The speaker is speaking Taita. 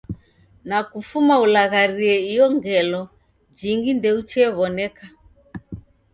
Na kufuma ulagharie iyo ngelo jingi ndouchew'oneka.